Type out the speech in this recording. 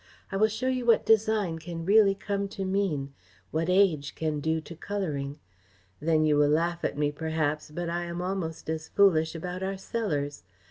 I will show you what design can really come to mean, what age can do to colouring. Then you will laugh at me, perhaps, but I am almost as foolish about our cellars.